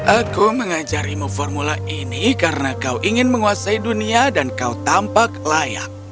aku mengajarimu formula ini karena kau ingin menguasai dunia dan kau tampak layak